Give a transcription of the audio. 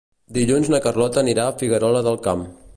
Dilluns na Carlota anirà a Figuerola del Camp.